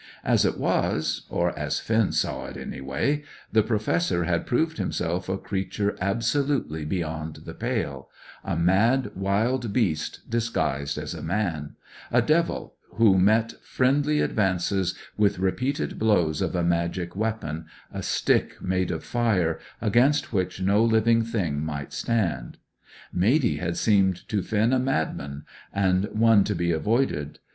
As it was, or as Finn saw it, anyhow, the Professor had proved himself a creature absolutely beyond the pale; a mad wild beast, disguised as a man; a devil who met friendly advances with repeated blows of a magic weapon, a stick made of fire, against which no living thing might stand. Matey had seemed to Finn a mad man, and one to be avoided.